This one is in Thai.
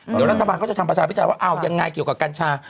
เดี๋ยวรัฐบาลก็จะทำประชาพิจารณว่าเอายังไงเกี่ยวกับกัญชา